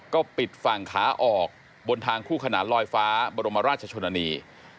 ก็ปิดฝั่งขาออกบนทางคู่ขนานลอยฟ้าบรมราชชนนี